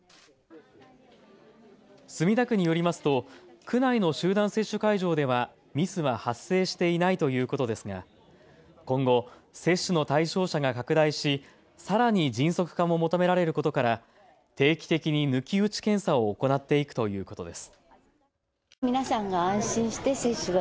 墨田区によりますと区内の集団接種会場ではミスは発生していないということですが今後、接種の対象者が拡大しさらに迅速化も求められることから定期的に抜き打ち検査を行っていくということです。